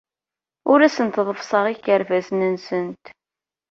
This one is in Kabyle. Ur asent-ḍeffseɣ ikerbasen-nsent.